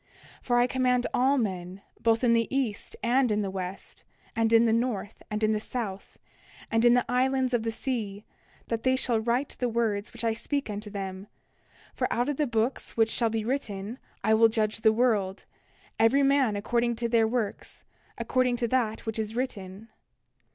29:11 For I command all men, both in the east and in the west, and in the north, and in the south, and in the islands of the sea, that they shall write the words which I speak unto them; for out of the books which shall be written I will judge the world, every man according to their works, according to that which is written.